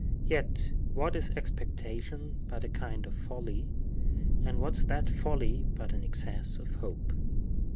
Yet what is expectation but a kind of folly, and what is that folly but an excess of hope?